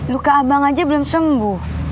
luka abang aja belum sembuh